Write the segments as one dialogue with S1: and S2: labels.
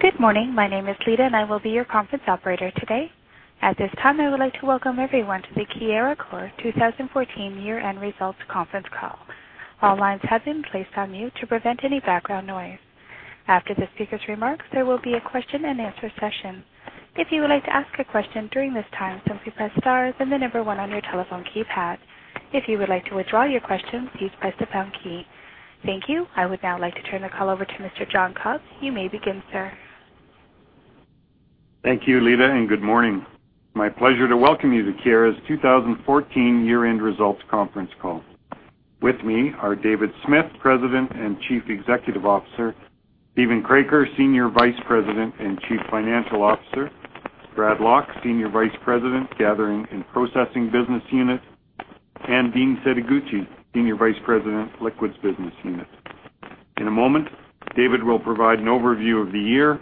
S1: Good morning. My name is Lita, and I will be your conference operator today. At this time, I would like to welcome everyone to the Keyera Corp. 2014 year-end results conference call. All lines have been placed on mute to prevent any background noise. After the speaker's remarks, there will be a question and answer session. If you would like to ask a question during this time, simply press star then the number one on your telephone keypad. If you would like to withdraw your question, please press the pound key. Thank you. I would now like to turn the call over to Mr. John obb. You may begin, sir.
S2: Thank you, Lita, and good morning. My pleasure to welcome you to Keyera's 2014 year-end results conference call. With me are David Smith, President and Chief Executive Officer, Steven Kroeker, Senior Vice President and Chief Financial Officer, Bradley Lock, Senior Vice President, Gathering and Processing Business Unit, and Dean Setoguchi, Senior Vice President, Liquids Business Unit. In a moment, David will provide an overview of the year,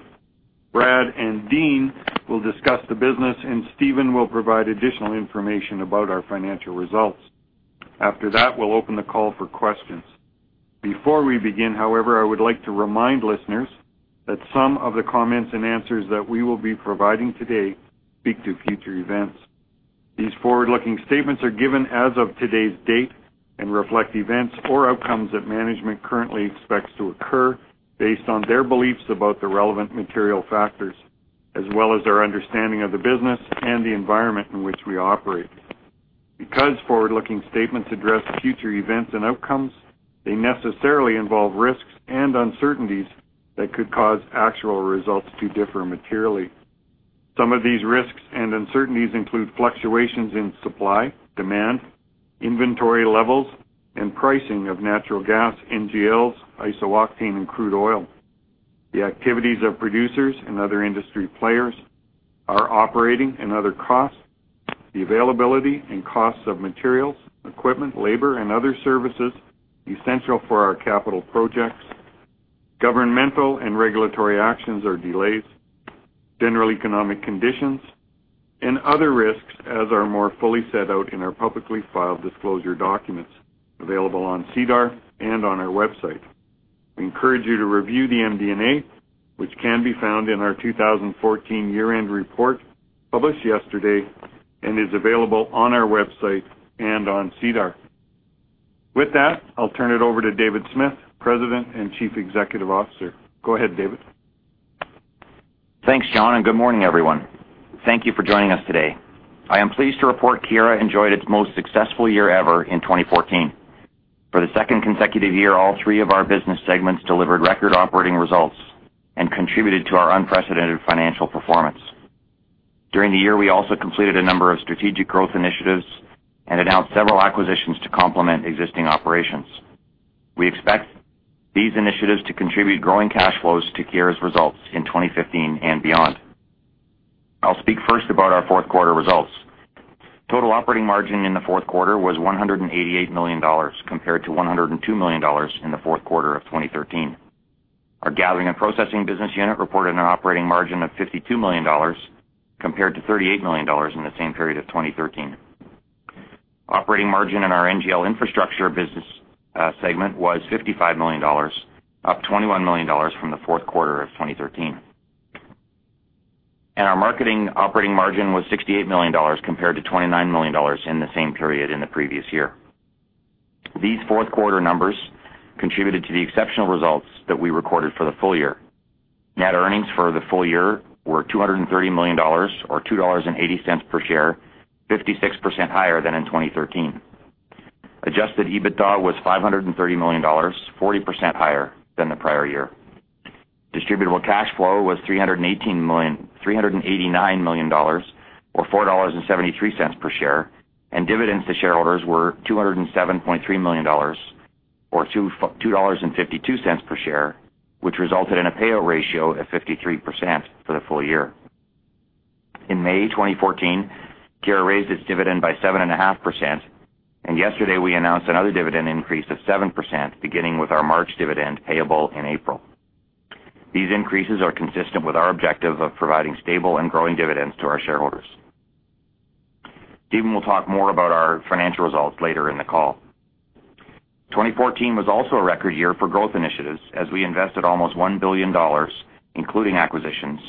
S2: Brad and Dean will discuss the business, and Steven will provide additional information about our financial results. After that, we'll open the call for questions. Before we begin, however, I would like to remind listeners that some of the comments and answers that we will be providing today speak to future events. These forward-looking statements are given as of today's date and reflect events or outcomes that management currently expects to occur based on their beliefs about the relevant material factors, as well as our understanding of the business and the environment in which we operate. Because forward-looking statements address future events and outcomes, they necessarily involve risks and uncertainties that could cause actual results to differ materially. Some of these risks and uncertainties include fluctuations in supply, demand, inventory levels, and pricing of natural gas, NGLs, iso-octane and crude oil, the activities of producers and other industry players, our operating and other costs, the availability and costs of materials, equipment, labor, and other services essential for our capital projects, governmental and regulatory actions or delays, general economic conditions, and other risks as are more fully set out in our publicly filed disclosure documents available on SEDAR and on our website. We encourage you to review the MD&A, which can be found in our 2014 year-end report published yesterday and is available on our website and on SEDAR. With that, I'll turn it over to David Smith, President and Chief Executive Officer. Go ahead, David.
S3: Thanks, John, and good morning, everyone. Thank you for joining us today. I am pleased to report Keyera enjoyed its most successful year ever in 2014. For the second consecutive year, all three of our business segments delivered record operating results and contributed to our unprecedented financial performance. During the year, we also completed a number of strategic growth initiatives and announced several acquisitions to complement existing operations. We expect these initiatives to contribute growing cash flows to Keyera's results in 2015 and beyond. I'll speak first about our fourth quarter results. Total operating margin in the fourth quarter was 188 million dollars, compared to 102 million dollars in the fourth quarter of 2013. Our Gathering and Processing Business Unit reported an operating margin of 52 million dollars, compared to 38 million dollars in the same period of 2013. Operating margin in our NGL infrastructure business segment was 55 million dollars, up 21 million dollars from the fourth quarter of 2013. Our marketing operating margin was 68 million dollars compared to 29 million dollars in the same period in the previous year. These fourth quarter numbers contributed to the exceptional results that we recorded for the full year. Net earnings for the full year were 230 million dollars, or 2.80 dollars per share, 56% higher than in 2013. Adjusted EBITDA was 530 million dollars, 40% higher than the prior year. Distributable cash flow was 389 million dollars, or 4.73 dollars per share, and dividends to shareholders were 207.3 million dollars, or 2.52 dollars per share, which resulted in a payout ratio of 53% for the full year. In May 2014, Keyera raised its dividend by 7.5%, and yesterday we announced another dividend increase of 7.0% beginning with our March dividend payable in April. These increases are consistent with our objective of providing stable and growing dividends to our shareholders. Steven will talk more about our financial results later in the call. 2014 was also a record year for growth initiatives, as we invested almost 1 billion dollars, including acquisitions,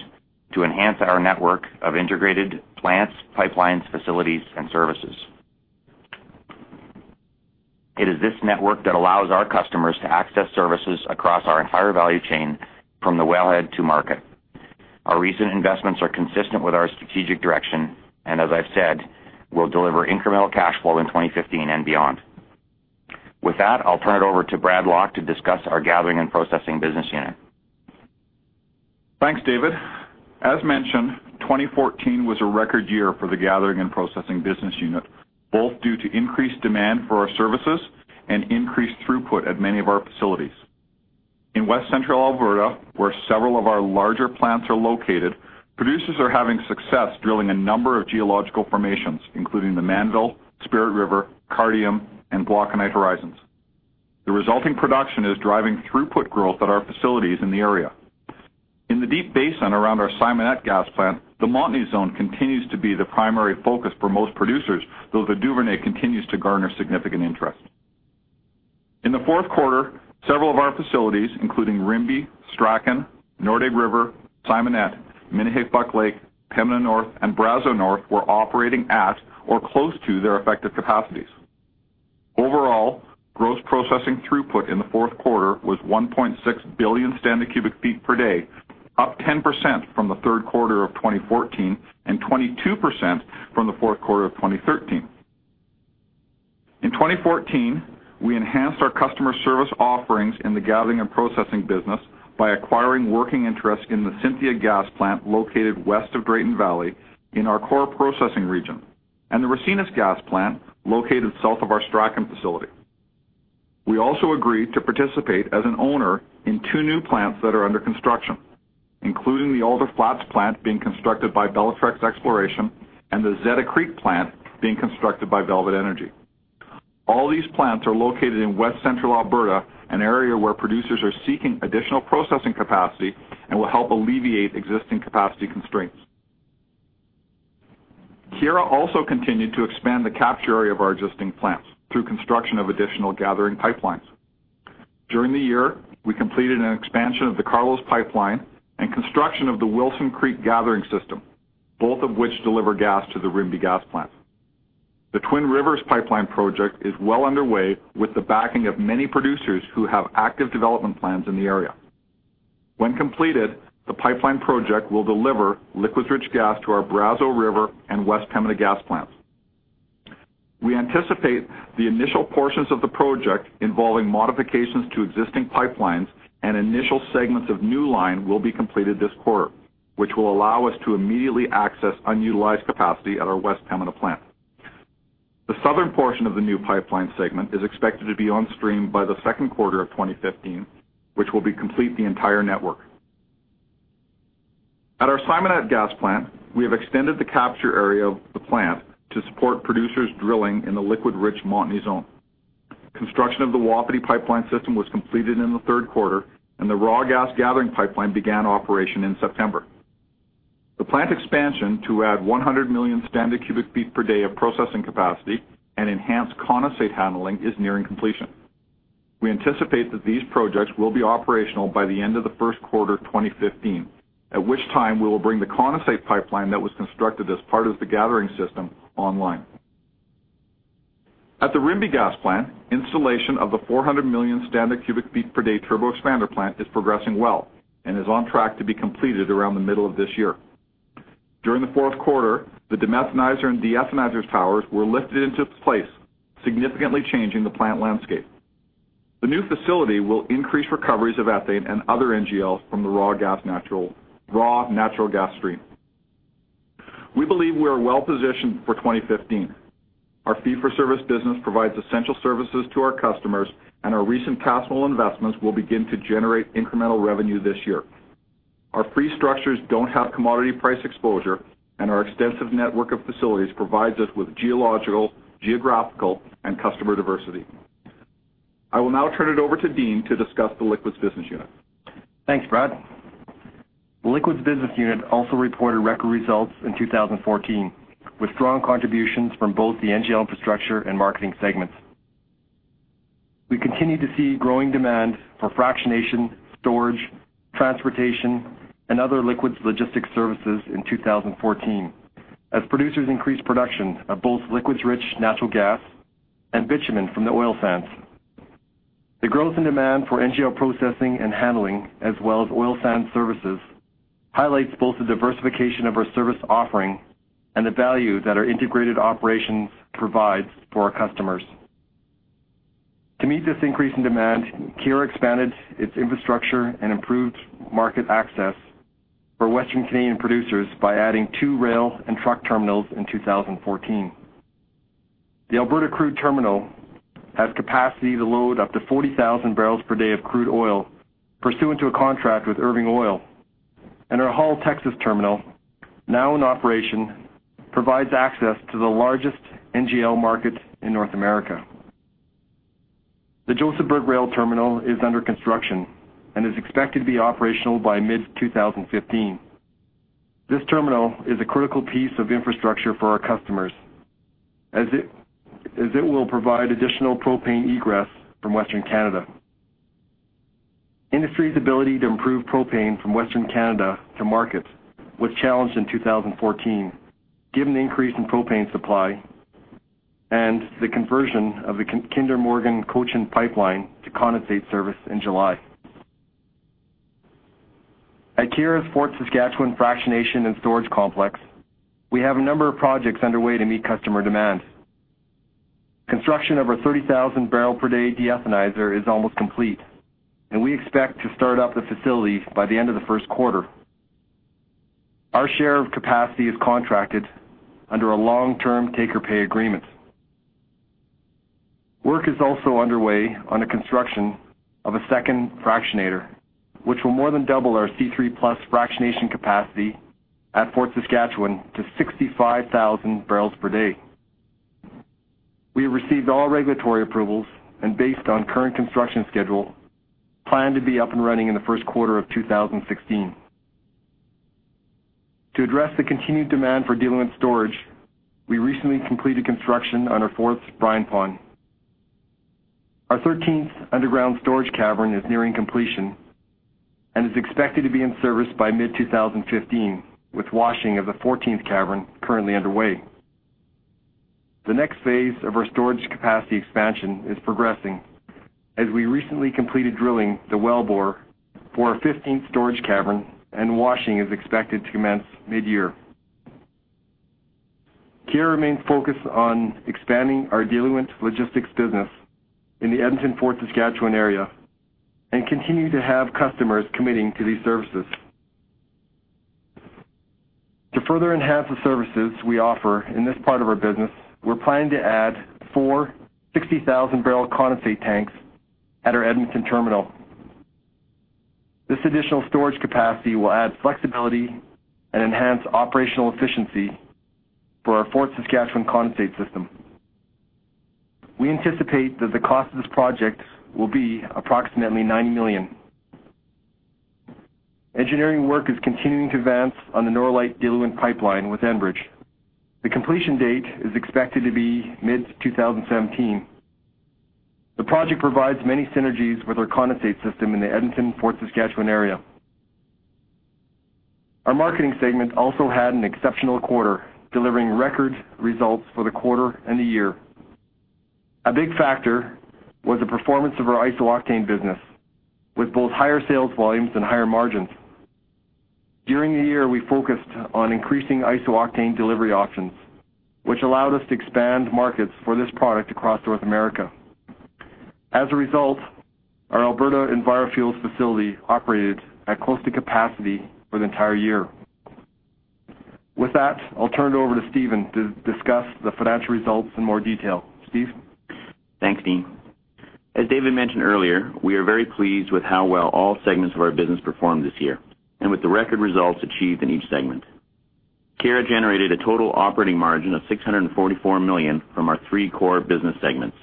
S3: to enhance our network of integrated plants, pipelines, facilities and services. It is this network that allows our customers to access services across our entire value chain from the wellhead to market. Our recent investments are consistent with our strategic direction, and as I've said, will deliver incremental cash flow in 2015 and beyond. With that, I'll turn it over to Bradley Lock to discuss our Gathering and Processing Business Unit.
S4: Thanks, David. As mentioned, 2014 was a record year for the gathering and processing business unit, both due to increased demand for our services and increased throughput at many of our facilities. In West Central Alberta, where several of our larger plants are located, producers are having success drilling a number of geological formations, including the Mannville, Spirit River, Cardium, and Glauconite horizons. The resulting production is driving throughput growth at our facilities in the area. In the Deep Basin around our Simonette gas plant, the Montney zone continues to be the primary focus for most producers, though the Duvernay continues to garner significant interest. In the fourth quarter, several of our facilities, including Rimbey, Strachan, Nordegg River, Simonette, Minnehik-Buck Lake, Pembina North, and Brazeau North, were operating at or close to their effective capacities. Overall, gross processing throughput in the fourth quarter was 1.6 billion standard cu ft per day, up 10% from the third quarter of 2014 and 22% from the fourth quarter of 2013. In 2014, we enhanced our customer service offerings in the gathering and processing business by acquiring working interest in the Cynthia gas plant located west of Drayton Valley in our core processing region, and the Ricinus gas plant located south of our Strachan facility. We also agreed to participate as an owner in two new plants that are under construction, including the Alder Flats plant being constructed by Bellatrix Exploration and the Zeta Creek plant being constructed by Velvet Energy. All these plants are located in West Central Alberta, an area where producers are seeking additional processing capacity and will help alleviate existing capacity constraints. Keyera also continued to expand the capture area of our existing plants through construction of additional gathering pipelines. During the year, we completed an expansion of the Carlos Pipeline and construction of the Wilson Creek Gathering System, both of which deliver gas to the Rimbey gas plant. The Twin Rivers Pipeline Project is well underway with the backing of many producers who have active development plans in the area. When completed, the pipeline project will deliver liquids-rich gas to our Brazeau River and West Pembina gas plants. We anticipate the initial portions of the project involving modifications to existing pipelines and initial segments of new line will be completed this quarter, which will allow us to immediately access unutilized capacity at our West Pembina plant. The southern portion of the new pipeline segment is expected to be on stream by the second quarter of 2015, which will complete the entire network. At our Simonette gas plant, we have extended the capture area of the plant to support producers drilling in the liquid rich Montney zone. Construction of the Wapiti pipeline system was completed in the third quarter, and the raw gas gathering pipeline began operation in September. The plant expansion to add 100 million standard cu ft per day of processing capacity and enhance condensate handling is nearing completion. We anticipate that these projects will be operational by the end of the first quarter 2015, at which time we will bring the condensate pipeline that was constructed as part of the gathering system online. At the Rimbey Gas Plant, installation of the 400 million standard cu ft per day turbo expander plant is progressing well and is on track to be completed around the middle of this year. During the fourth quarter, the demethanizer and deethanizer towers were lifted into place, significantly changing the plant landscape. The new facility will increase recoveries of ethane and other NGLs from the raw natural gas stream. We believe we are well-positioned for 2015. Our fee-for-service business provides essential services to our customers, and our recent capital investments will begin to generate incremental revenue this year. Our fee structures don't have commodity price exposure, and our extensive network of facilities provides us with geological, geographical, and customer diversity. I will now turn it over to Dean to discuss the Liquids Business Unit.
S5: Thanks, Brad. The Liquids Business Unit also reported record results in 2014, with strong contributions from both the NGL infrastructure and marketing segments. We continued to see growing demand for fractionation, storage, transportation, and other liquids logistics services in 2014, as producers increased production of both liquids-rich natural gas and bitumen from the oil sands. The growth in demand for NGL processing and handling, as well as oil sands services, highlights both the diversification of our service offering and the value that our integrated operations provide for our customers. To meet this increase in demand, Keyera expanded its infrastructure and improved market access for Western Canadian producers by adding two rail and truck terminals in 2014. The Alberta Crude Terminal has capacity to load up to 40,000 bbl/d of crude oil pursuant to a contract with Irving Oil. Our Hull, Texas terminal, now in operation, provides access to the largest NGL market in North America. The Josephburg Rail Terminal is under construction and is expected to be operational by mid-2015. This terminal is a critical piece of infrastructure for our customers as it will provide additional propane egress from Western Canada. The industry's ability to move propane from Western Canada to market was challenged in 2014, given the increase in propane supply and the conversion of the Kinder Morgan Cochin Pipeline to condensate service in July. At Keyera's Fort Saskatchewan fractionation and storage complex, we have a number of projects underway to meet customer demand. Construction of our 30,000 bbl/d deethanizer is almost complete, and we expect to start up the facility by the end of the first quarter. Our share of capacity is contracted under a long-term take-or-pay agreement. Work is also underway on the construction of a second fractionator, which will more than double our C3+ fractionation capacity at Fort Saskatchewan to 65,000 bbl/d. We have received all regulatory approvals, and based on current construction schedule, we plan to be up and running in the first quarter of 2016. To address the continued demand for diluent storage, we recently completed construction on our fourth brine pond. Our 13th underground storage cavern is nearing completion and is expected to be in service by mid-2015, with washing of the 14th cavern currently underway. The next phase of our storage capacity expansion is progressing as we recently completed drilling the wellbore for our 15th storage cavern, and washing is expected to commence mid-year. Keyera remains focused on expanding our diluent logistics business in the Edmonton-Fort Saskatchewan area and we continue to have customers committing to these services. To further enhance the services we offer in this part of our business, we're planning to add four 60,000-barrel condensate tanks at our Edmonton terminal. This additional storage capacity will add flexibility and enhance operational efficiency for our Fort Saskatchewan condensate system. We anticipate that the cost of this project will be approximately 9 million. Engineering work is continuing to advance on the Norlite diluent pipeline with Enbridge. The completion date is expected to be mid-2017. The project provides many synergies with our condensate system in the Edmonton, Fort Saskatchewan area. Our marketing segment also had an exceptional quarter, delivering record results for the quarter and the year. A big factor was the performance of our iso-octane business, with both higher sales volumes and higher margins. During the year, we focused on increasing iso-octane delivery options, which allowed us to expand markets for this product across North America. As a result, our Alberta EnviroFuels facility operated at close to capacity for the entire year. With that, I'll turn it over to Steven to discuss the financial results in more detail. Steve?
S6: Thanks, Dean. As David mentioned earlier, we are very pleased with how well all segments of our business performed this year and with the record results achieved in each segment. Keyera generated a total operating margin of 644 million from our three core business segments.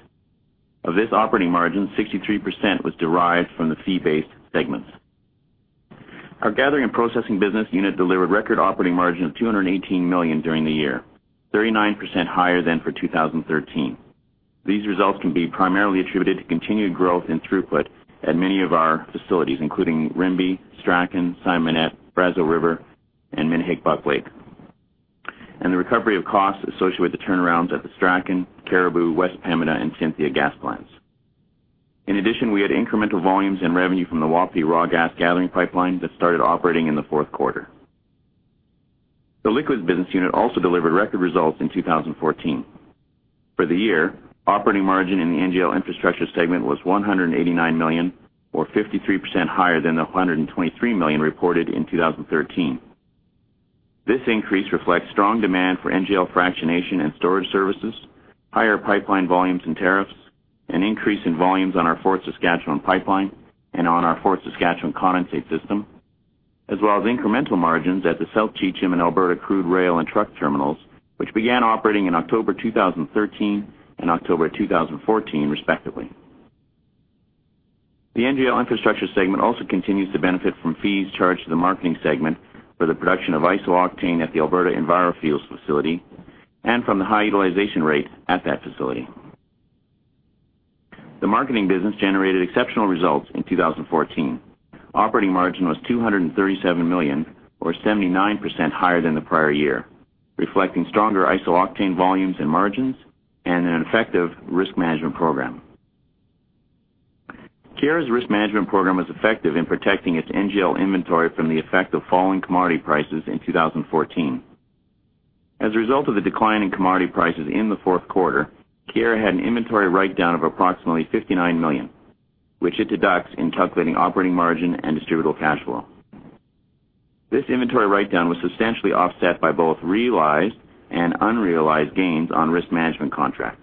S6: Of this operating margin, 63% was derived from the fee-based segments. Our gathering and processing business unit delivered record operating margin of 218 million during the year, 39% higher than for 2013. These results can be primarily attributed to continued growth in throughput at many of our facilities, including Rimbey, Strachan, Simonette, Brazeau River, and Minnehik-Buck Lake. The recovery of costs associated with the turnarounds at the Strachan, Caribou, West Pembina, and Cynthia gas plants. In addition, we had incremental volumes and revenue from the Wapiti raw gas gathering pipeline that started operating in the fourth quarter. The Liquids Business Unit also delivered record results in 2014. For the year, operating margin in the NGL Infrastructure segment was 189 million, or 53% higher than the 123 million reported in 2013. This increase reflects strong demand for NGL fractionation and storage services, higher pipeline volumes and tariffs, an increase in volumes on our Fort Saskatchewan pipeline and on our Fort Saskatchewan condensate system, as well as incremental margins at the South Cheecham and Alberta crude rail and truck terminals, which began operating in October 2013 and October 2014, respectively. The NGL Infrastructure segment also continues to benefit from fees charged to the marketing segment for the production of iso-octane at the Alberta EnviroFuels facility and from the high utilization rate at that facility. The marketing business generated exceptional results in 2014. Operating margin was 237 million, or 79% higher than the prior year, reflecting stronger iso-octane volumes and margins and an effective risk management program. Keyera's risk management program was effective in protecting its NGL inventory from the effect of falling commodity prices in 2014. As a result of the decline in commodity prices in the fourth quarter, Keyera had an inventory write-down of approximately 59 million, which it deducts in calculating operating margin and distributable cash flow. This inventory write-down was substantially offset by both realized and unrealized gains on risk management contracts.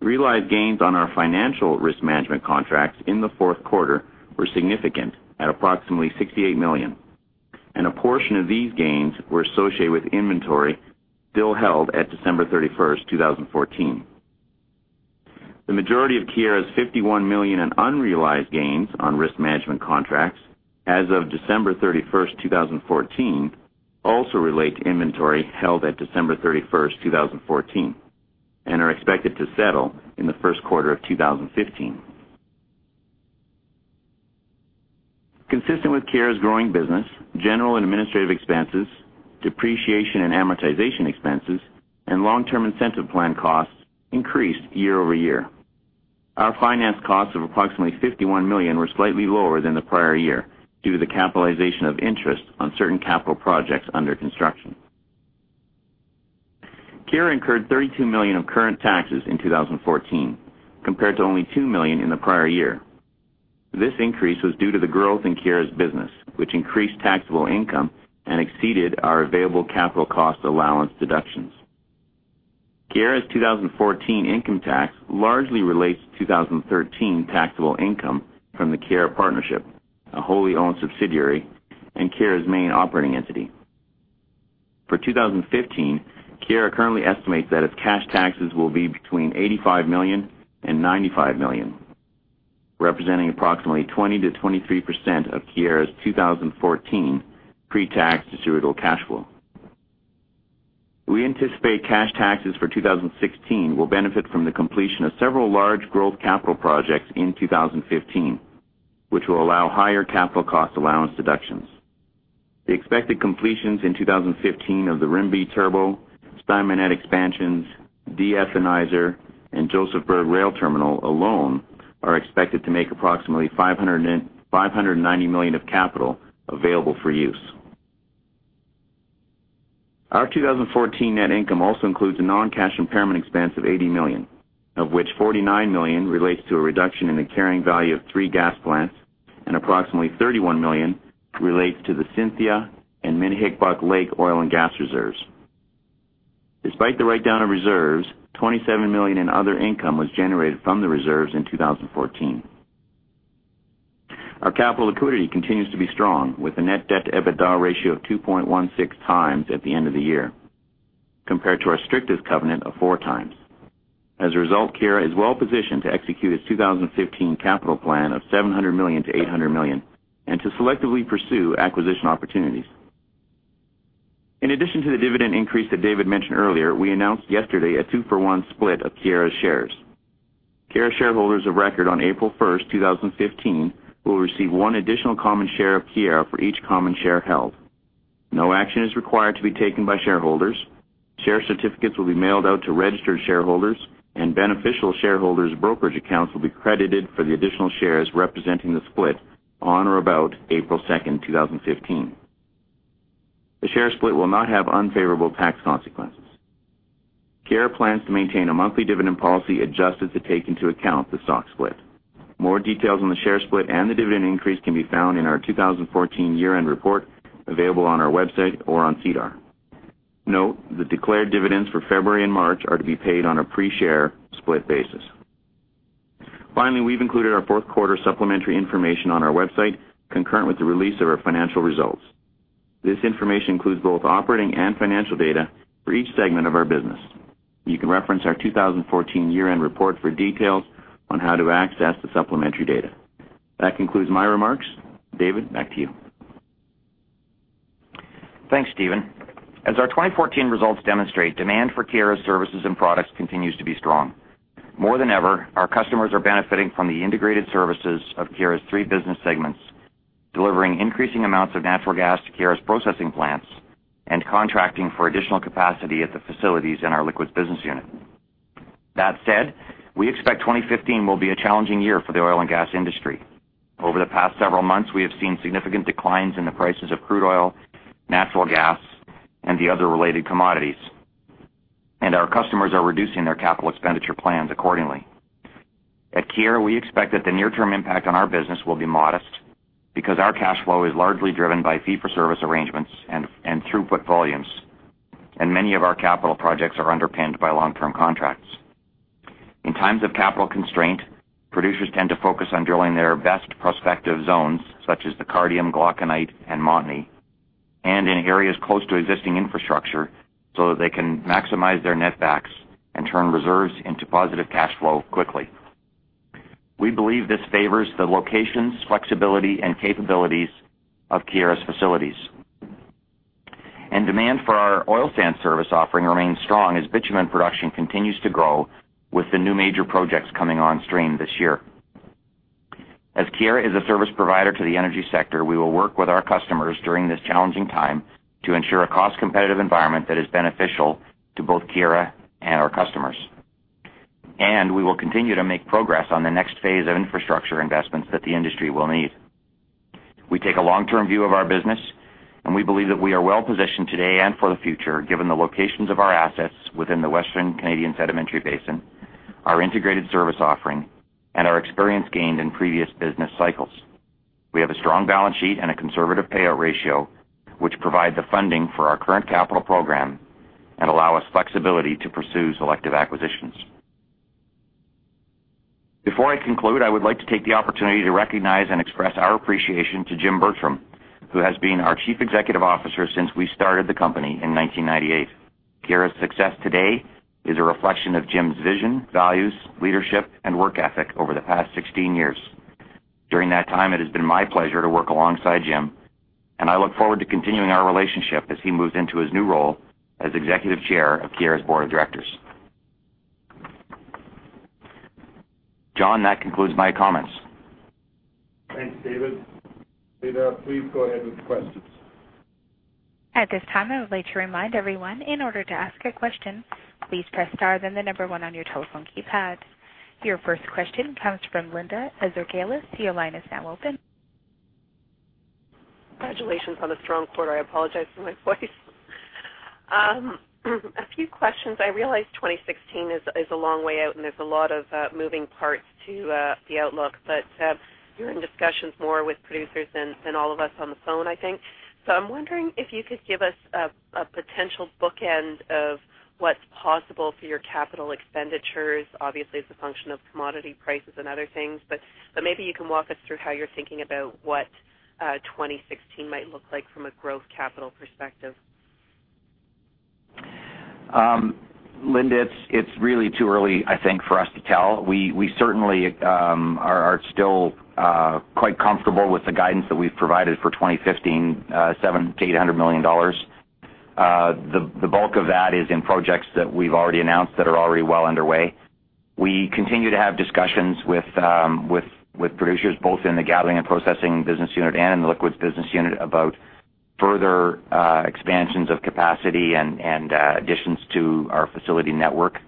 S6: Realized gains on our financial risk management contracts in the fourth quarter were significant, at approximately 68 million. A portion of these gains were associated with inventory still held at December 31st, 2014. The majority of Keyera's 51 million in unrealized gains on risk management contracts as of December 31st, 2014, also relate to inventory held at December 31st, 2014, and are expected to settle in the first quarter of 2015. Consistent with Keyera's growing business, general and administrative expenses, depreciation and amortization expenses, and long-term incentive plan costs increased year-over-year. Our finance costs of approximately 51 million were slightly lower than the prior year due to the capitalization of interest on certain capital projects under construction. Keyera incurred 32 million of current taxes in 2014 compared to only 2 million in the prior year. This increase was due to the growth in Keyera's business, which increased taxable income and exceeded our available capital cost allowance deductions. Keyera's 2014 income tax largely relates to 2013 taxable income from the Keyera partnership, a wholly owned subsidiary and Keyera's main operating entity. For 2015, Keyera currently estimates that its cash taxes will be between 85 million and 95 million, representing approximately 20%-23% of Keyera's 2014 pre-tax distributable cash flow. We anticipate cash taxes for 2016 will benefit from the completion of several large growth capital projects in 2015, which will allow higher capital cost allowance deductions. The expected completions in 2015 of the Rimbey turbo, Simonette expansions, deethanizer, and Josephburg rail terminal alone are expected to make approximately 590 million of capital available for use. Our 2014 net income also includes a non-cash impairment expense of 80 million, of which 49 million relates to a reduction in the carrying value of three gas plants, and approximately 31 million relates to the Cynthia and Minnehik-Buck Lake oil and gas reserves. Despite the write-down of reserves, 27 million in other income was generated from the reserves in 2014. Our capital liquidity continues to be strong, with a net debt-to-EBITDA ratio of 2.16x at the end of the year, compared to our strictest covenant of 4x. As a result, Keyera is well-positioned to execute its 2015 capital plan of 700 million-800 million and to selectively pursue acquisition opportunities. In addition to the dividend increase that David mentioned earlier, we announced yesterday a two-for-one split of Keyera's shares. Keyera shareholders of record on April 1st, 2015, will receive one additional common share of Keyera for each common share held. No action is required to be taken by shareholders. Share certificates will be mailed out to registered shareholders, and beneficial shareholders' brokerage accounts will be credited for the additional shares representing the split on or about April 2nd, 2015. The share split will not have unfavorable tax consequences. Keyera plans to maintain a monthly dividend policy adjusted to take into account the stock split. More details on the share split and the dividend increase can be found in our 2014 year-end report, available on our website or on SEDAR. Note, the declared dividends for February and March are to be paid on a pre-share split basis. Finally, we've included our fourth quarter supplementary information on our website concurrent with the release of our financial results. This information includes both operating and financial data for each segment of our business. You can reference our 2014 year-end report for details on how to access the supplementary data. That concludes my remarks. David, back to you.
S3: Thanks, Steven. As our 2014 results demonstrate, demand for Keyera's services and products continues to be strong. More than ever, our customers are benefiting from the integrated services of Keyera's three business segments, delivering increasing amounts of natural gas to Keyera's processing plants and contracting for additional capacity at the facilities in our Liquids Business Unit. That said, we expect 2015 will be a challenging year for the oil and gas industry. Over the past several months, we have seen significant declines in the prices of crude oil, natural gas, and the other related commodities, and our customers are reducing their capital expenditure plans accordingly. At Keyera, we expect that the near-term impact on our business will be modest because our cash flow is largely driven by fee-for-service arrangements and throughput volumes, and many of our capital projects are underpinned by long-term contracts. In times of capital constraint, producers tend to focus on drilling their best prospective zones, such as the Cardium, Glauconite, and Montney, and in areas close to existing infrastructure so that they can maximize their netbacks and turn reserves into positive cash flow quickly. We believe this favors the locations, flexibility, and capabilities of Keyera's facilities. Demand for our oil sands service offering remains strong as bitumen production continues to grow with the new major projects coming on stream this year. As Keyera is a service provider to the energy sector, we will work with our customers during this challenging time to ensure a cost-competitive environment that is beneficial to both Keyera and our customers. We will continue to make progress on the next phase of infrastructure investments that the industry will need. We take a long-term view of our business, and we believe that we are well-positioned today and for the future, given the locations of our assets within the Western Canadian Sedimentary Basin, our integrated service offering, and our experience gained in previous business cycles. We have a strong balance sheet and a conservative payout ratio, which provide the funding for our current capital program and allow us flexibility to pursue selective acquisitions. Before I conclude, I would like to take the opportunity to recognize and express our appreciation to Jim Bertram, who has been our Chief Executive Officer since we started the company in 1998. Keyera's success today is a reflection of Jim's vision, values, leadership, and work ethic over the past 16 years. During that time, it has been my pleasure to work alongside Jim, and I look forward to continuing our relationship as he moves into his new role as executive chair of Keyera's board of directors. John, that concludes my comments.
S2: Thanks, David. Operator, please go ahead with the questions.
S1: At this time, I would like to remind everyone, in order to ask a question, please press star, then the number one on your telephone keypad. Your first question comes from Linda Ezergailis. Your line is now open.
S7: Congratulations on the strong quarter. I apologize for my voice. A few questions. I realize 2016 is a long way out, and there's a lot of moving parts to the outlook. You're in discussions more with producers than all of us on the phone, I think. I'm wondering if you could give us a potential bookend of What's possible for your capital expenditures, obviously, it's a function of commodity prices and other things, but maybe you can walk us through how you're thinking about what 2016 might look like from a growth capital perspective?
S3: Linda, it's really too early, I think, for us to tell. We certainly are still quite comfortable with the guidance that we've provided for 2015, 700 million-800 million dollars. The bulk of that is in projects that we've already announced that are already well underway. We continue to have discussions with producers, both in the Gathering and Processing Business Unit and in the Liquids Business Unit, about further expansions of capacity and additions to our facility network.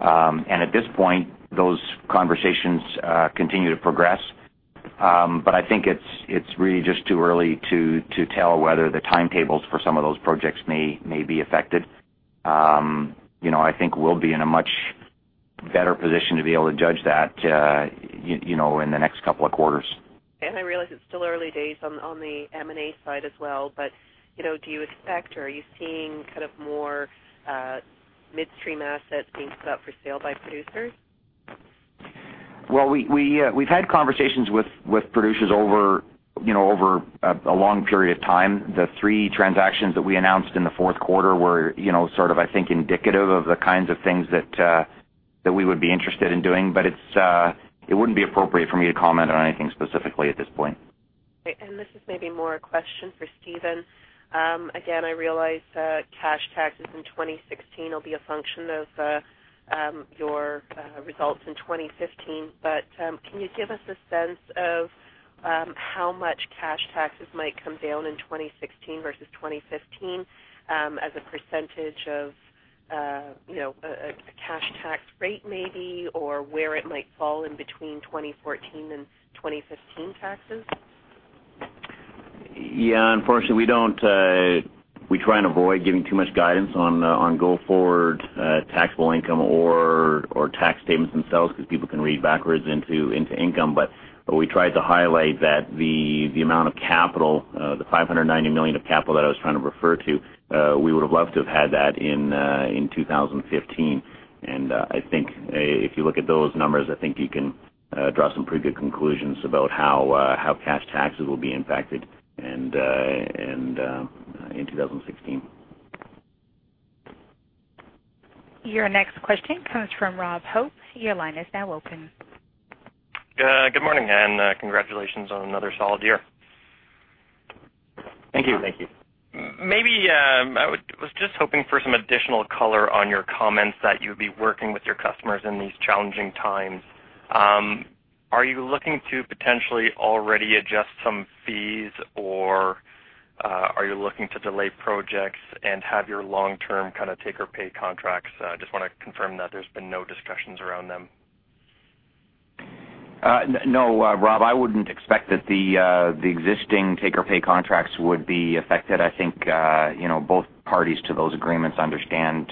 S3: At this point, those conversations continue to progress. I think it's really just too early to tell whether the timetables for some of those projects may be affected. I think we'll be in a much better position to be able to judge that in the next couple of quarters.
S7: I realize it's still early days on the M&A side as well, but do you expect, or are you seeing more midstream assets being put up for sale by producers?
S3: Well, we've had conversations with producers over a long period of time. The three transactions that we announced in the fourth quarter were sort of, I think, indicative of the kinds of things that we would be interested in doing. It wouldn't be appropriate for me to comment on anything specifically at this point.
S7: Okay. This is maybe more a question for Steven. Again, I realize cash taxes in 2016 will be a function of your results in 2015. Can you give us a sense of how much cash taxes might come down in 2016 versus 2015 as a percentage of a cash tax rate maybe, or where it might fall in between 2014 and 2015 taxes?
S6: Yeah. Unfortunately, we try and avoid giving too much guidance on go forward taxable income or tax statements themselves because people can read backwards into income. But we tried to highlight that the amount of capital, the 590 million of capital that I was trying to refer to, we would've loved to have had that in 2015. I think if you look at those numbers, I think you can draw some pretty good conclusions about how cash taxes will be impacted in 2016.
S1: Your next question comes from Robert Hope. Your line is now open.
S8: Good morning, and congratulations on another solid year.
S3: Thank you. Thank you.
S8: Maybe I was just hoping for some additional color on your comments that you'd be working with your customers in these challenging times. Are you looking to potentially already adjust some fees, or are you looking to delay projects and have your long-term kind of take-or-pay contracts? I just want to confirm that there's been no discussions around them.
S3: No, Rob, I wouldn't expect that the existing take or pay contracts would be affected. I think both parties to those agreements understand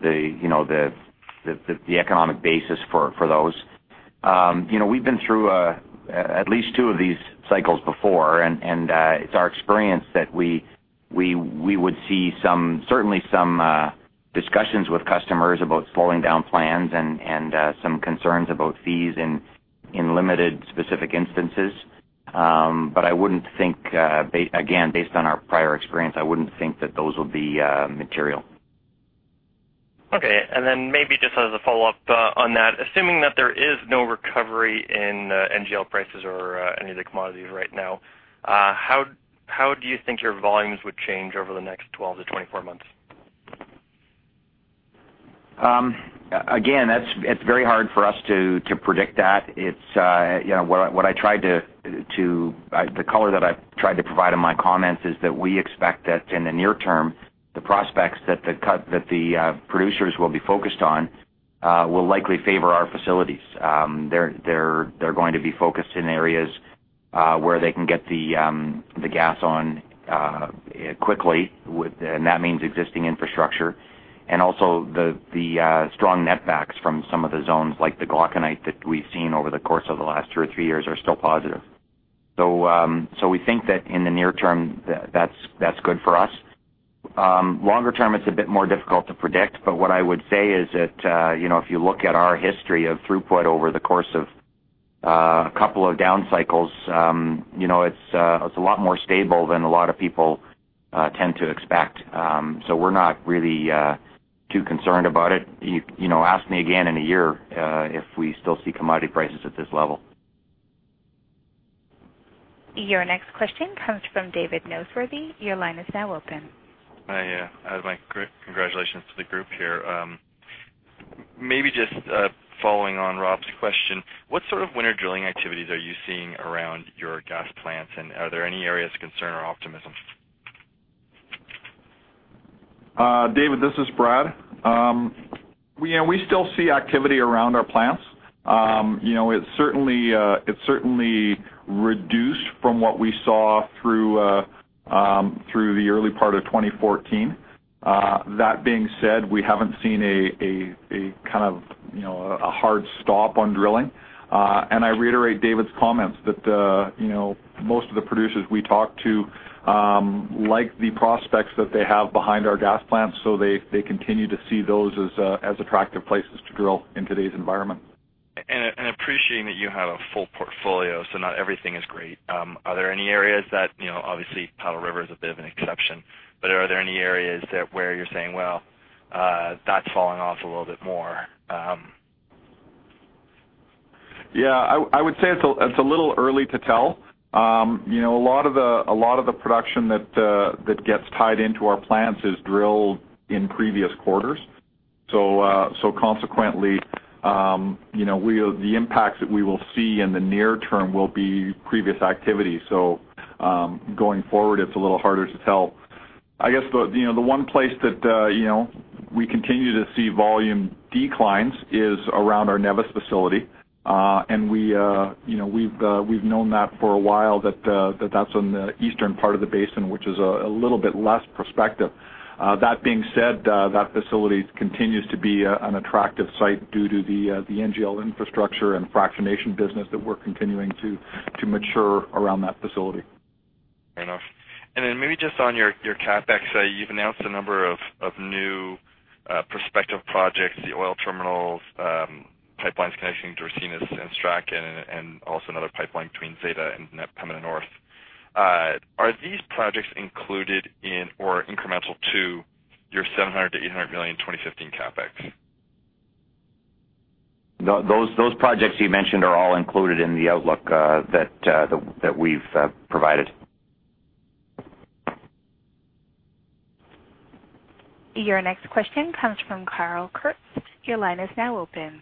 S3: the economic basis for those. We've been through at least two of these cycles before, and it's our experience that we would see certainly some discussions with customers about slowing down plans and some concerns about fees in limited specific instances. I wouldn't think, again, based on our prior experience, that those will be material.
S8: Okay. Maybe just as a follow-up on that, assuming that there is no recovery in NGL prices or any of the commodities right now, how do you think your volumes would change over the next 12-24 months?
S3: It's very hard for us to predict that. The color that I've tried to provide in my comments is that we expect that in the near term, the prospects that the producers will be focused on will likely favor our facilities. They're going to be focused in areas where they can get the gas on quickly, and that means existing infrastructure. The strong net backs from some of the zones, like the Glauconite that we've seen over the course of the last two or three years are still positive. We think that in the near term, that's good for us. Longer term, it's a bit more difficult to predict, but what I would say is that if you look at our history of throughput over the course of a couple of down cycles, it's a lot more stable than a lot of people tend to expect. We're not really too concerned about it. Ask me again in a year if we still see commodity prices at this level.
S1: Your next question comes from David Noseworthy. Your line is now open.
S9: Hi, [Mr. Kroek]. Congratulations to the group here. Maybe just following on Rob's question, what sort of winter drilling activities are you seeing around your gas plants, and are there any areas of concern or optimism?
S4: David, this is Brad. We still see activity around our plants. It's certainly reduced from what we saw through the early part of 2014. That being said, we haven't seen a hard stop on drilling. I reiterate David's comments that most of the producers we talk to like the prospects that they have behind our gas plants, so they continue to see those as attractive places to drill in today's environment.
S9: Appreciating that you have a full portfolio, so not everything is great. Are there any areas that, obviously Powder River is a bit of an exception, but are there any areas where you're saying, "Well, that's falling off a little bit more"?
S4: Yeah, I would say it's a little early to tell. A lot of the production that gets tied into our plants is drilled in previous quarters. Consequently, the impacts that we will see in the near term will be previous activity. Going forward, it's a little harder to tell. I guess, the one place that we continue to see volume declines is around our Nevis facility. We've known that for a while, that's on the eastern part of the basin, which is a little bit less prospective. That being said, that facility continues to be an attractive site due to the NGL infrastructure and fractionation business that we're continuing to mature around that facility.
S9: Fair enough. Maybe just on your CapEx. You've announced a number of new prospective projects, the oil terminals, pipelines connecting Duvernay and Strachan, and also another pipeline between Zeta and coming north. Are these projects included in or incremental to your 700 million-800 million 2015 CapEx?
S3: Those projects you mentioned are all included in the outlook that we've provided.
S1: Your next question comes from Carl Kirst. Your line is now open.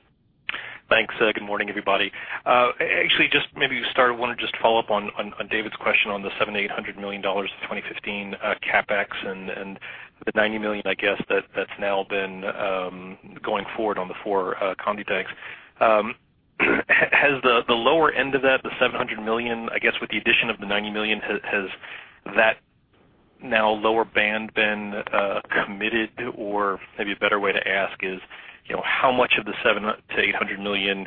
S10: Thanks. Good morning, everybody. Actually, just maybe to start, I want to just follow up on David's question on the 700 million-800 million dollars of 2015 CapEx and the 90 million, I guess, that's now been going forward on the four condensate tanks. Has the lower end of that, the 700 million, I guess, with the addition of the 90 million, has that now lower band been committed? Or maybe a better way to ask is, how much of the 700 million-800 million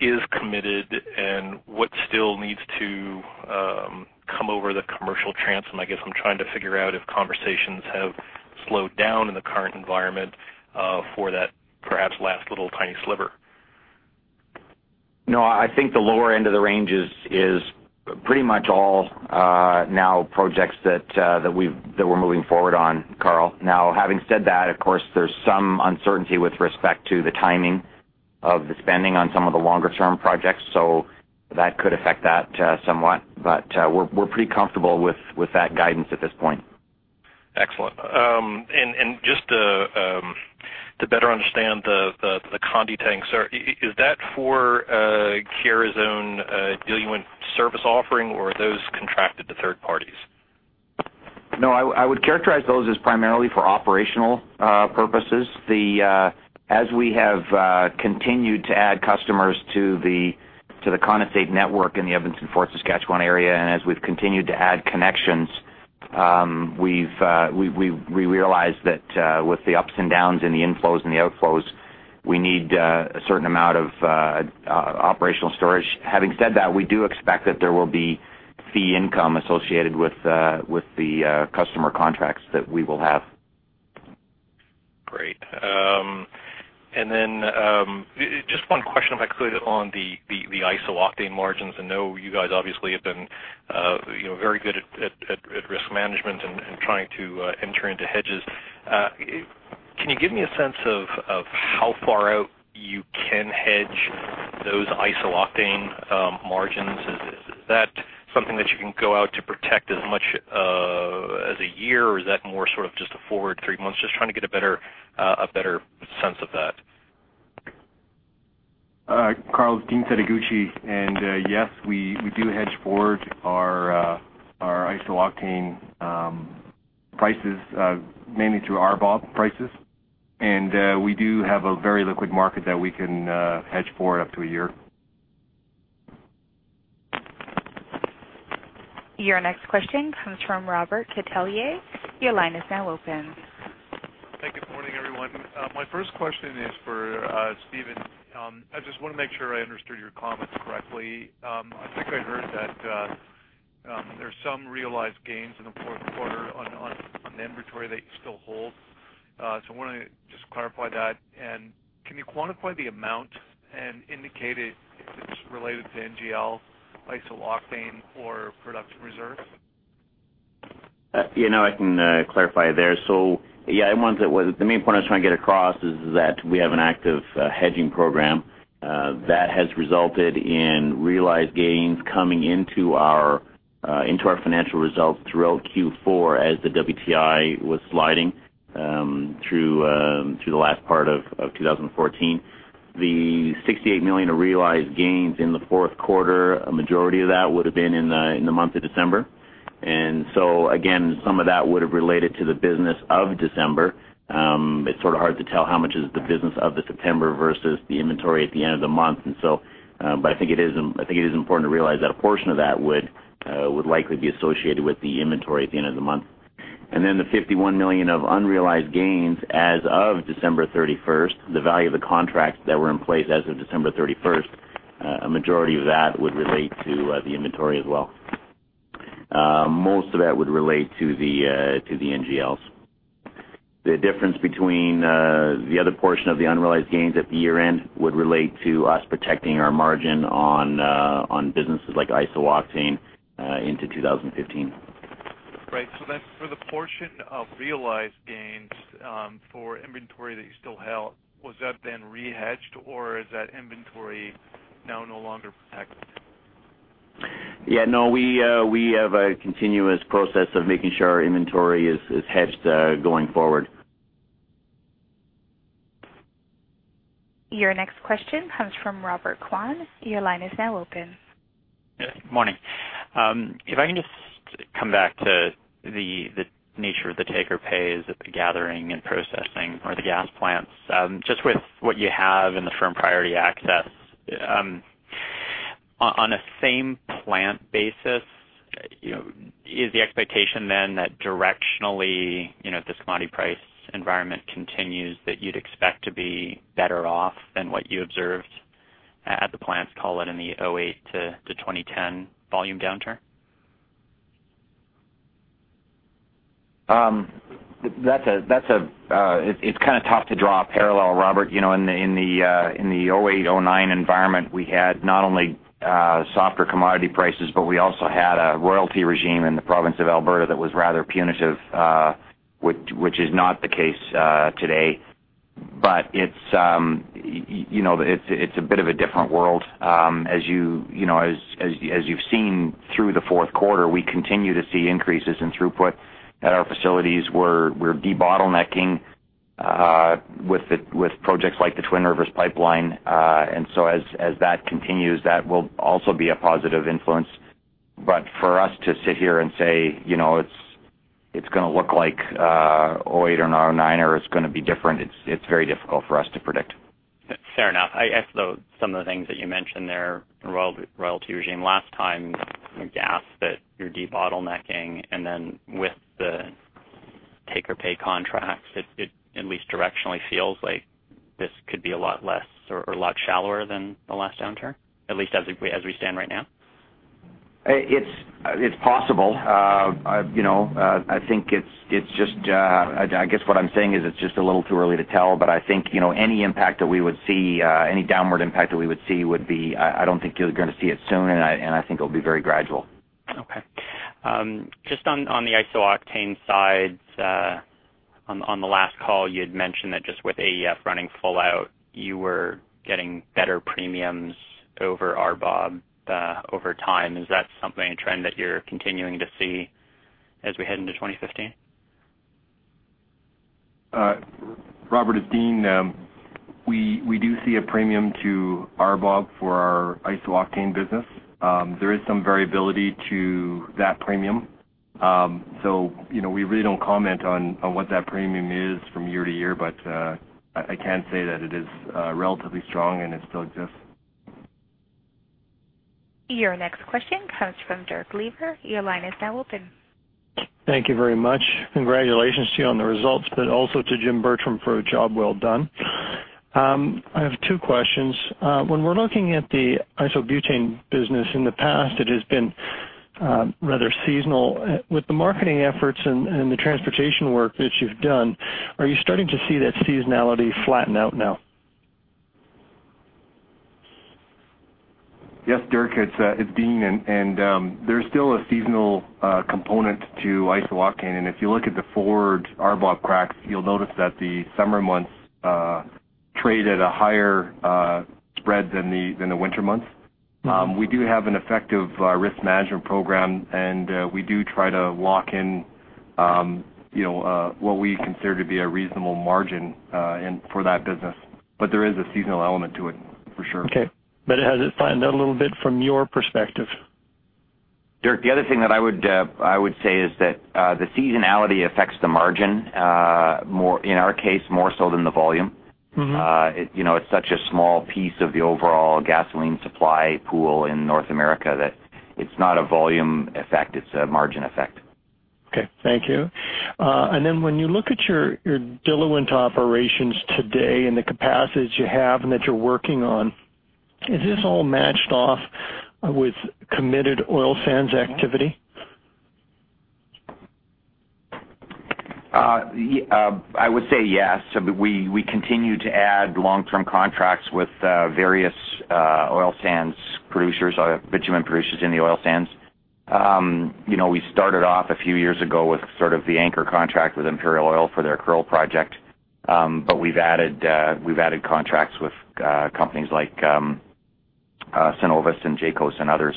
S10: is committed, and what still needs to come over the commercial transom? I guess I'm trying to figure out if conversations have slowed down in the current environment for that perhaps last little tiny sliver.
S3: No, I think the lower end of the range is pretty much all now projects that we're moving forward on, Carl. Now, having said that, of course, there's some uncertainty with respect to the timing of the spending on some of the longer-term projects. That could affect that somewhat. We're pretty comfortable with that guidance at this point.
S10: Excellent. Just to better understand the condensate tanks, is that for Keyera's own diluent service offering, or are those contracted to third parties?
S3: No, I would characterize those as primarily for operational purposes. As we have continued to add customers to the condensate network in the Edmonton-Fort Saskatchewan area, and as we've continued to add connections, we realized that with the ups and downs and the inflows and the outflows, we need a certain amount of operational storage. Having said that, we do expect that there will be fee income associated with the customer contracts that we will have.
S10: Great. Just one question, if I could, on the iso-octane margins. I know you guys obviously have been very good at risk management and trying to enter into hedges. Can you give me a sense of how far out you can hedge those iso-octane margins? Is that something that you can go out to protect as much as a year? Or is that more sort of just a forward three months? Just trying to get a better sense of that.
S5: Carl, Dean Setoguchi, and yes, we do hedge forward our iso-octane prices mainly through RBOB prices. We do have a very liquid market that we can hedge forward up to a year.
S1: Your next question comes from Robert Catellier. Your line is now open.
S11: Thank you. Morning, everyone. My first question is for Steven. I just want to make sure I understood your comments correctly. I think I heard that there's some realized gains in the fourth quarter on inventory that you still hold. So I want to just clarify that. Can you quantify the amount and indicate if it's related to NGL, iso-octane, or production reserves?
S6: Yeah, I can clarify there. The main point I was trying to get across is that we have an active hedging program that has resulted in realized gains coming into our financial results throughout Q4 as the WTI was sliding through the last part of 2014. The 68 million of realized gains in the fourth quarter, a majority of that would've been in the month of December. Again, some of that would've related to the business of December. It's sort of hard to tell how much is the business of the September versus the inventory at the end of the month. I think it is important to realize that a portion of that would likely be associated with the inventory at the end of the month. The 51 million of unrealized gains as of December 31st, the value of the contracts that were in place as of December 31st, a majority of that would relate to the inventory as well. Most of that would relate to the NGLs. The difference between the other portion of the unrealized gains at the year-end would relate to us protecting our margin on businesses like iso-octane into 2015.
S11: Right. For the portion of realized gains for inventory that you still held, was that then re-hedged or is that inventory now no longer protected?
S6: Yeah, no, we have a continuous process of making sure our inventory is hedged going forward.
S1: Your next question comes from Robert Kwan. Your line is now open.
S12: Yes, morning. If I can just come back to the nature of the take-or-pay at the gathering and processing or the gas plants. With what you have in the firm priority access, on a same plant basis, is the expectation then that directionally, if this commodity price environment continues, that you'd expect to be better off than what you observed at the plants, call it in the 2008-2010 volume downturn?
S3: It's kind of tough to draw a parallel, Robert. In the 2008, 2009 environment, we had not only softer commodity prices, but we also had a royalty regime in the province of Alberta that was rather punitive, which is not the case today. It's a bit of a different world. As you've seen through the fourth quarter, we continue to see increases in throughput at our facilities. We're de-bottlenecking with projects like the Twin Rivers pipeline. As that continues, that will also be a positive influence. For us to sit here and say it's going to look like 2008 or an 2009, or it's going to be different, it's very difficult for us to predict.
S12: Fair enough. I guess though, some of the things that you mentioned there, the royalty regime last time, the gas that you're de-bottlenecking, and then with the take-or-pay contracts, it at least directionally feels like this could be a lot less or a lot shallower than the last downturn, at least as we stand right now.
S3: It's possible. I guess what I'm saying is it's just a little too early to tell, but I think any downward impact that we would see, I don't think you're going to see it soon, and I think it'll be very gradual.
S12: Okay. Just on the iso-octane side, on the last call you had mentioned that just with AEF running full out, you were getting better premiums over RBOB over time. Is that something, a trend that you're continuing to see as we head into 2015?
S5: Robert, it's Dean. We do see a premium to RBOB for our iso-octane business. There is some variability to that premium. We really don't comment on what that premium is from year-to-year, but I can say that it is relatively strong, and it still exists.
S1: Your next question comes from Dirk Lever. Your line is now open.
S13: Thank you very much. Congratulations to you on the results, but also to Jim Bertram for a job well done. I have two questions. When we're looking at the iso-octane business, in the past, it has been rather seasonal. With the marketing efforts and the transportation work that you've done, are you starting to see that seasonality flatten out now?
S5: Yes, Dirk, it's Dean. There's still a seasonal component to iso-octane. If you look at the forward RBOB cracks, you'll notice that the summer months trade at a higher spread than the winter months. We do have an effective risk management program, and we do try to lock in what we consider to be a reasonable margin for that business. There is a seasonal element to it, for sure.
S13: Okay. Has it flattened out a little bit from your perspective?
S3: Dirk, the other thing that I would say is that the seasonality affects the margin, in our case, more so than the volume.
S13: Mm-hmm.
S3: It's such a small piece of the overall gasoline supply pool in North America that it's not a volume effect, it's a margin effect.
S13: Okay, thank you. When you look at your diluent operations today and the capacities you have and that you're working on, is this all matched off with committed oil sands activity?
S3: I would say yes. We continue to add long-term contracts with various oil sands producers or bitumen producers in the oil sands. We started off a few years ago with sort of the anchor contract with Imperial Oil for their Kearl project. We've added contracts with companies like Cenovus and JACOS and others.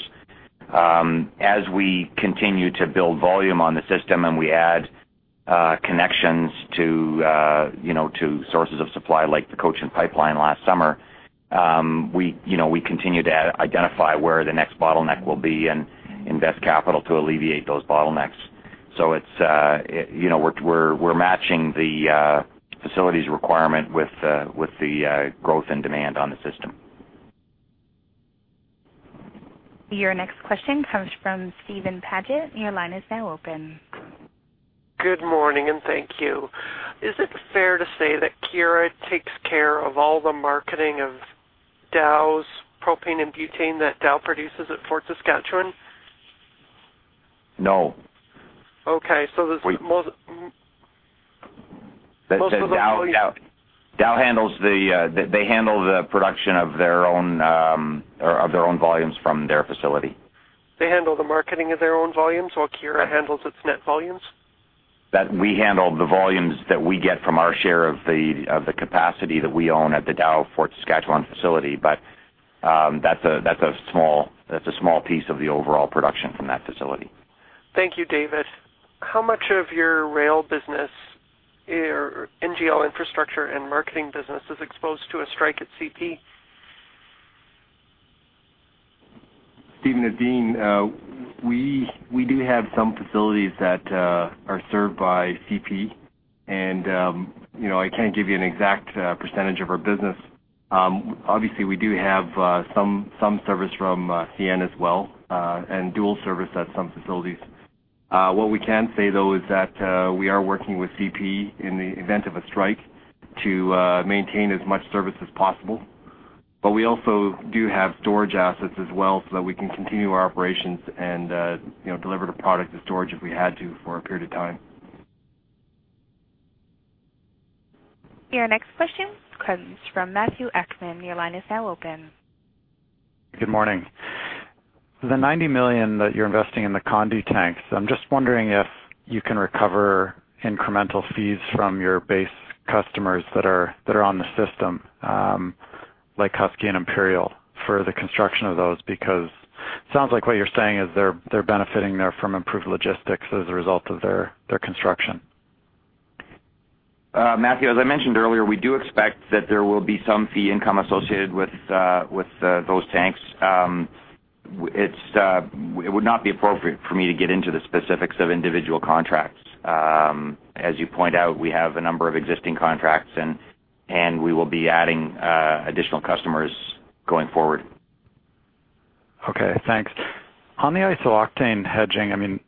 S3: As we continue to build volume on the system and we add connections to sources of supply, like the Cochin Pipeline last summer, we continue to identify where the next bottleneck will be and invest capital to alleviate those bottlenecks. We're matching the facility's requirement with the growth and demand on the system.
S1: Your next question comes from Steven Paget. Your line is now open.
S14: Good morning, and thank you. Is it fair to say that Keyera takes care of all the marketing of Dow's propane and butane that Dow produces at Fort Saskatchewan?
S3: No.
S14: Okay. There's more.
S3: Dow handles the production of their own volumes from their facility.
S14: They handle the marketing of their own volumes while Keyera handles its net volumes?
S3: We handle the volumes that we get from our share of the capacity that we own at the Dow Fort Saskatchewan facility, but that's a small piece of the overall production from that facility.
S14: Thank you, David. How much of your rail business or NGL infrastructure and marketing business is exposed to a strike at CP?
S5: Steven to Dean, we do have some facilities that are served by CP, and I can't give you an exact percentage of our business. Obviously, we do have some service from CN as well, and dual service at some facilities. What we can say, though, is that we are working with CP in the event of a strike to maintain as much service as possible. We also do have storage assets as well, so that we can continue our operations and deliver the product to storage if we had to for a period of time.
S1: Your next question comes from Matthew Akman. Your line is now open.
S15: Good morning. The 90 million that you're investing in the condensate tanks, I'm just wondering if you can recover incremental fees from your base customers that are on the system, like Husky and Imperial, for the construction of those, because sounds like what you're saying is they're benefiting there from improved logistics as a result of their construction?
S3: Matthew, as I mentioned earlier, we do expect that there will be some fee income associated with those tanks. It would not be appropriate for me to get into the specifics of individual contracts. As you point out, we have a number of existing contracts, and we will be adding additional customers going forward.
S15: Okay. Thanks. On the iso-octane hedging,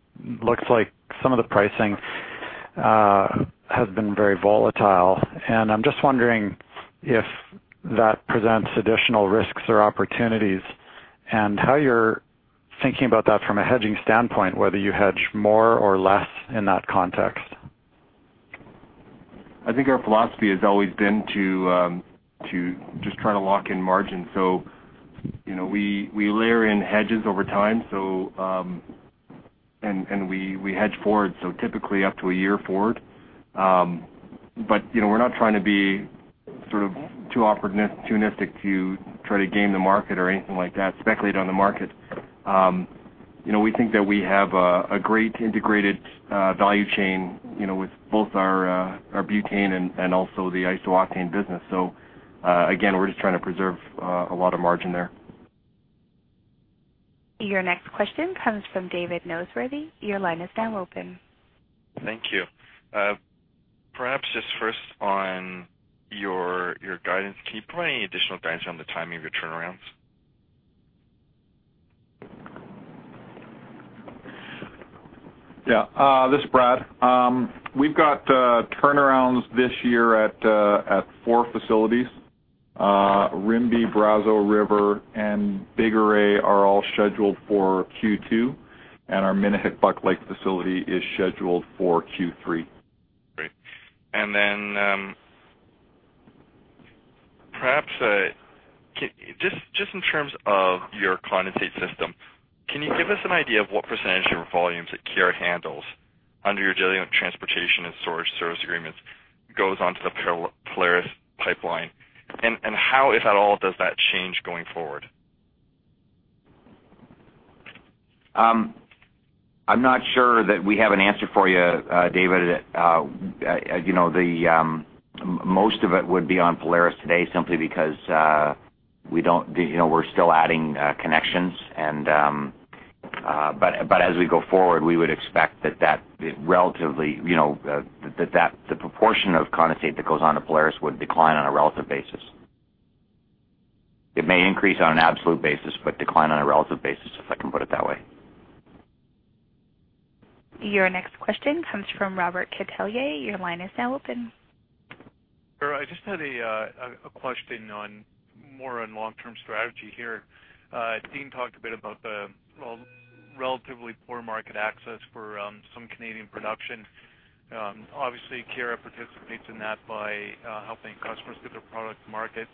S15: looks like some of the pricing has been very volatile. I'm just wondering if that presents additional risks or opportunities and how you're thinking about that from a hedging standpoint, whether you hedge more or less in that context.
S5: I think our philosophy has always been to just try to lock in margin. We layer in hedges over time and we hedge forward, so typically up to a year forward. We're not trying to be too opportunistic to try to game the market or anything like that, speculate on the market. We think that we have a great integrated value chain, with both our butane and also the iso-octane business. Again, we're just trying to preserve a lot of margin there.
S1: Your next question comes from David Noseworthy. Your line is now open.
S9: Thank you. Perhaps just first on your guidance, can you provide any additional guidance on the timing of your turnarounds?
S4: Yeah. This is Brad. We've got turnarounds this year at four facilities. Rimbey, Brazeau River, and Bigoray are all scheduled for Q2, and our Minnehik-Buck Lake facility is scheduled for Q3.
S9: Great. Perhaps, just in terms of your condensate system, can you give us an idea of what percentage of volumes that Keyera handles under your daily transportation and storage service agreements goes onto the Polaris pipeline? How, if at all, does that change going forward?
S3: I'm not sure that we have an answer for you, David. Most of it would be on Polaris today simply because we're still adding connections. As we go forward, we would expect that the proportion of condensate that goes on to Polaris would decline on a relative basis. It may increase on an absolute basis, but decline on a relative basis, if I can put it that way.
S1: Your next question comes from Robert Catellier. Your line is now open.
S11: Sure. I just had a question more on long-term strategy here. Dean talked a bit about the relatively poor market access for some Canadian production. Obviously, Keyera participates in that by helping customers get their product to market.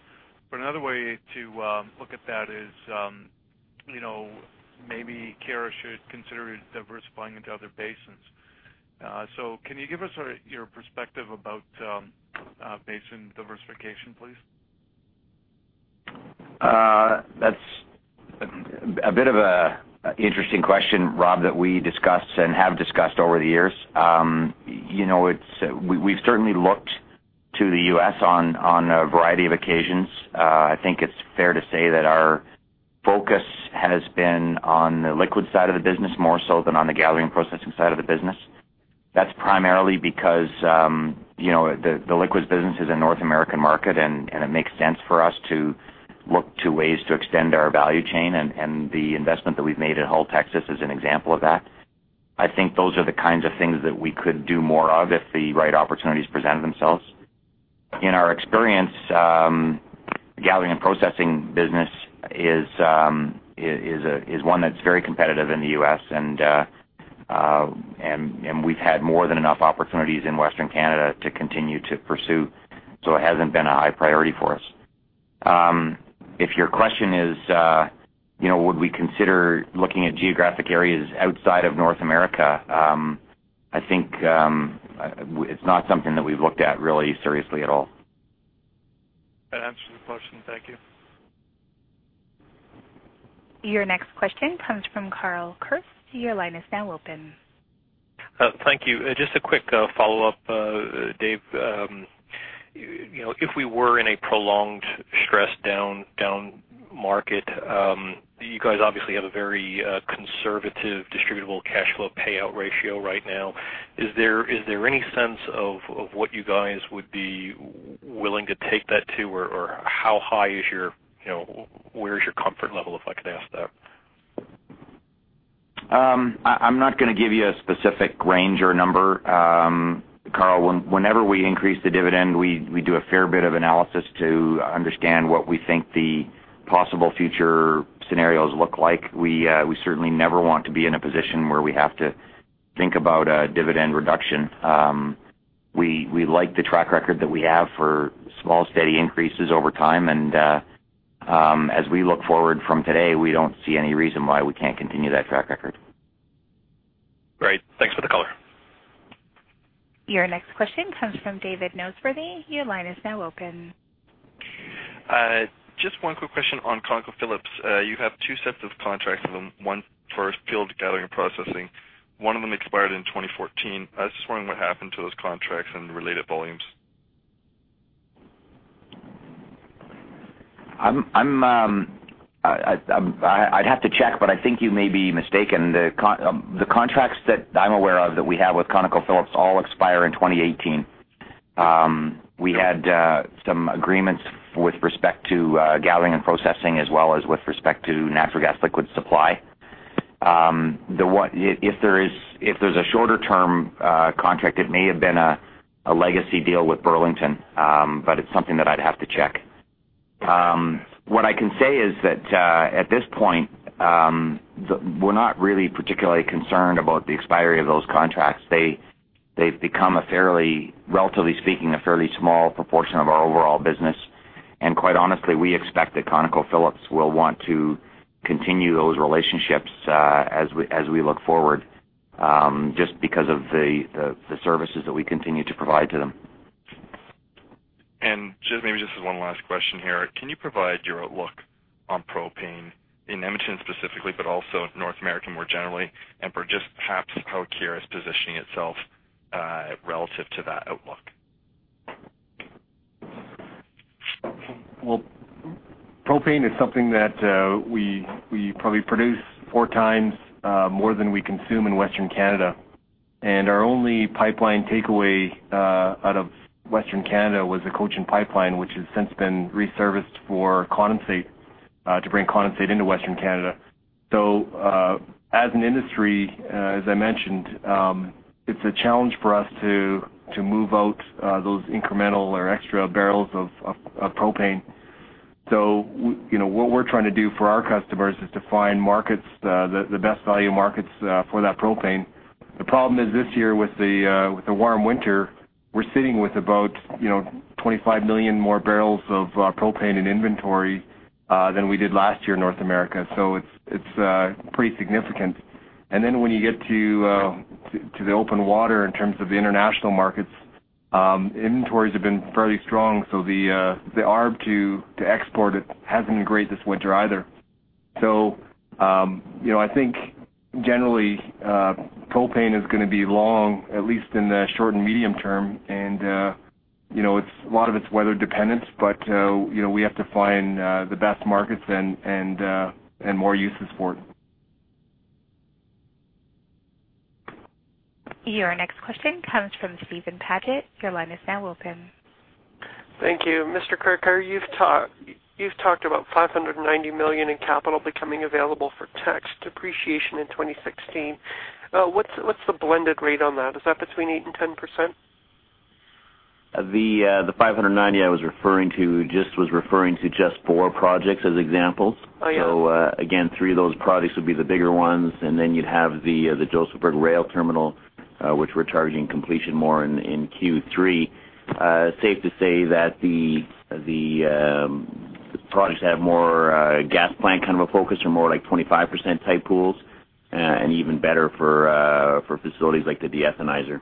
S11: But another way to look at that is, maybe Keyera should consider diversifying into other basins. Can you give us your perspective about basin diversification, please?
S3: That's a bit of an interesting question, Rob, that we discuss and have discussed over the years. We've certainly looked to the U.S. on a variety of occasions. I think it's fair to say that our focus has been on the liquid side of the business more so than on the gathering and processing side of the business. That's primarily because the liquids business is a North American market, and it makes sense for us to look to ways to extend our value chain, and the investment that we've made at Hull, Texas, is an example of that. I think those are the kinds of things that we could do more of if the right opportunities presented themselves. In our experience, gathering and processing business is one that's very competitive in the U.S., and we've had more than enough opportunities in Western Canada to continue to pursue, so it hasn't been a high priority for us. If your question is, would we consider looking at geographic areas outside of North America? I think it's not something that we've looked at really seriously at all.
S11: That answers the question. Thank you.
S1: Your next question comes from Carl Kirst. Your line is now open.
S10: Thank you. Just a quick follow-up, Dave. If we were in a prolonged stress down market, you guys obviously have a very conservative distributable cash flow payout ratio right now. Is there any sense of what you guys would be willing to take that to or where is your comfort level, if I could ask that?
S3: I'm not going to give you a specific range or number, Carl. Whenever we increase the dividend, we do a fair bit of analysis to understand what we think the possible future scenarios look like. We certainly never want to be in a position where we have to think about a dividend reduction. We like the track record that we have for small, steady increases over time, and as we look forward from today, we don't see any reason why we can't continue that track record.
S10: Great. Thanks for the color.
S1: Your next question comes from David Noseworthy. Your line is now open.
S9: Just one quick question on ConocoPhillips. You have two sets of contracts with them, one for field gathering and processing. One of them expired in 2014. I was just wondering what happened to those contracts and related volumes.
S3: I'd have to check, but I think you may be mistaken. The contracts that I'm aware of that we have with ConocoPhillips all expire in 2018. We had some agreements with respect to gathering and processing as well as with respect to natural gas liquids supply. If there's a shorter term contract, it may have been a legacy deal with Burlington, but it's something that I'd have to check. What I can say is that at this point, we're not really particularly concerned about the expiry of those contracts. They've become, relatively speaking, a fairly small proportion of our overall business, and quite honestly, we expect that ConocoPhillips will want to continue those relationships as we look forward, just because of the services that we continue to provide to them.
S9: Just maybe one last question here. Can you provide your outlook on propane in Edmonton specifically, but also North America more generally, and perhaps how Keyera is positioning itself relative to that outlook?
S5: Well, propane is something that we probably produce four times more than we consume in Western Canada, and our only pipeline takeaway out of Western Canada was the Cochin Pipeline, which has since been re-serviced for condensate to bring condensate into Western Canada. As an industry, as I mentioned, it's a challenge for us to move out those incremental or extra barrels of propane. What we're trying to do for our customers is to find the best value markets for that propane. The problem is this year with the warm winter, we're sitting with about 25 million more barrels of propane in inventory than we did last year in North America. It's pretty significant. Then when you get to the open water in terms of the international markets, inventories have been fairly strong, so the arb to export it hasn't been great this winter either. I think generally, propane is going to be long, at least in the short and medium term. A lot of it's weather dependent, but we have to find the best markets and more uses for it.
S1: Your next question comes from Steven Paget. Your line is now open.
S14: Thank you. Mr. Kroeker, you've talked about 590 million in capital becoming available for tax depreciation in 2016. What's the blended rate on that? Is that between 8%-10%?
S6: The 590 I was referring to just four projects as examples. Oh, yeah. Again, three of those projects would be the bigger ones, and then you'd have the Josephburg Rail Terminal, which we're expecting completion more in Q3. Safe to say that the projects have more gas plant kind of a focus or more like 25% type returns and even better for facilities like the deethanizer.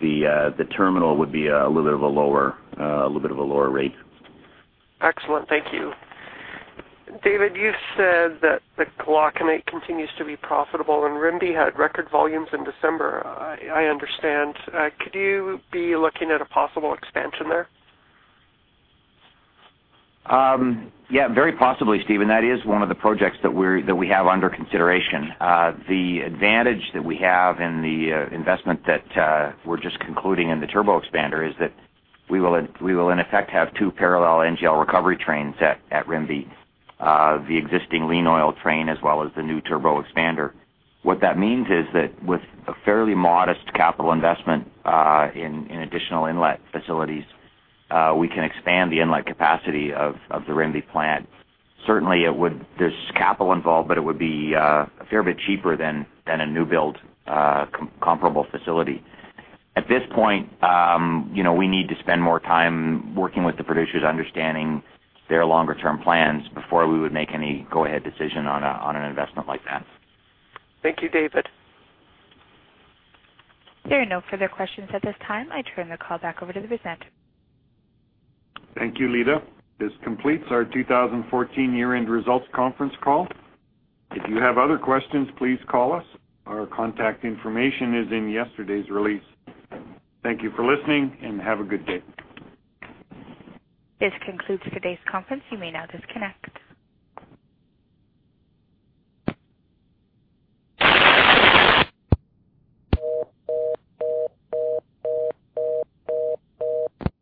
S6: The terminal would be a little bit of a lower rate.
S14: Excellent. Thank you. David, you said that the Glauconite continues to be profitable, and Rimbey had record volumes in December, I understand. Could you be looking at a possible expansion there?
S3: Yeah, very possibly, Steven. That is one of the projects that we have under consideration. The advantage that we have in the investment that we're just concluding in the turbo expander is that we will, in effect, have two parallel NGL recovery trains at Rimbey. The existing lean oil train as well as the new turbo expander. What that means is that with a fairly modest capital investment in additional inlet facilities, we can expand the inlet capacity of the Rimbey plant. Certainly, there's capital involved, but it would be a fair bit cheaper than a new build comparable facility. At this point, we need to spend more time working with the producers, understanding their longer-term plans before we would make any go-ahead decision on an investment like that.
S14: Thank you, David.
S1: There are no further questions at this time. I turn the call back over to the presenter.
S3: Thank you, Lita. This completes our 2014 year-end results conference call. If you have other questions, please call us. Our contact information is in yesterday's release. Thank you for listening, and have a good day.
S1: This concludes today's conference. You may now disconnect.